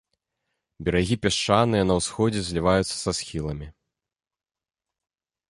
Берагі пясчаныя, на ўсходзе зліваюцца са схіламі.